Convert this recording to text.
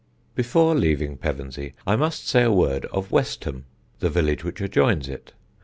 Before leaving Pevensey I must say a word of Westham, the village which adjoins it.